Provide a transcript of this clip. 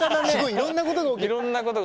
いろんなことが起きる。